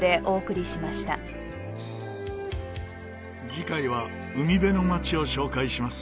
次回は海辺の街を紹介します。